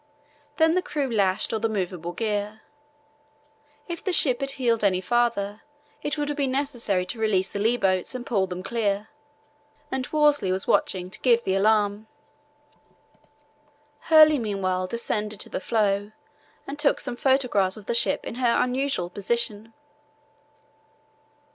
Then the crew lashed all the movable gear. If the ship had heeled any farther it would have been necessary to release the lee boats and pull them clear, and Worsley was watching to give the alarm. Hurley meanwhile descended to the floe and took some photographs of the ship in her unusual position.